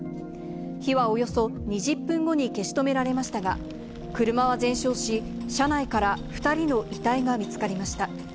火はおよそ２０分後に消し止められましたが、車は全焼し、車内から２人の遺体が見つかりました。